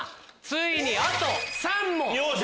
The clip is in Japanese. ついにあと３問！